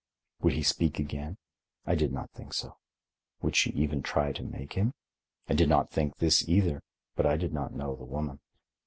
Would he speak again? I did not think so. Would she even try to make him? I did not think this, either. But I did not know the woman.